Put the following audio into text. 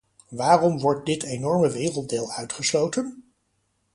Waarom wordt dit enorme werelddeel uitgesloten?